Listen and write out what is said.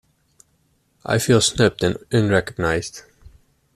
I feel snubbed and unrecognized.